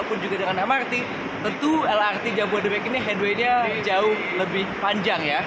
walaupun juga dengan mrt tentu lrt jabodebek ini headwaynya jauh lebih panjang ya